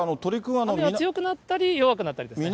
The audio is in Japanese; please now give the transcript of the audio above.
雨が強くなったり弱くなったりですね。